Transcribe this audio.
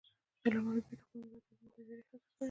علامه حبیبي د خپل ملت د علمي بیدارۍ هڅه کړی ده.